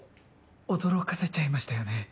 驚かせちゃいましたよね。